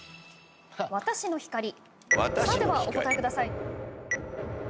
「わたしの光」さあではお答えください。